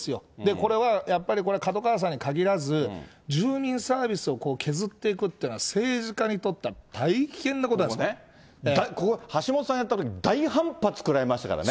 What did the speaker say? これはやっぱり、門川さんに限らず、住民サービスを削っていくっていうのは、政治家にとっては大これね、橋下さんやったけど、大反発食らいましたからね。